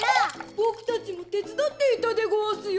ボクたちもてつだっていたでごわすよ。